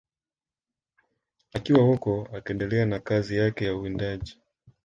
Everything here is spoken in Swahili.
Akiwa huko akaendelea na kazi yake ya uwindaji